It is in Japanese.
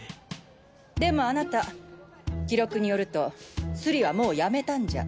でもあなた記録によるとスリはもうやめたんじゃ？